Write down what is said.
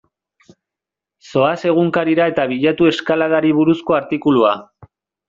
Zoaz egunkarira eta bilatu eskaladari buruzko artikulua.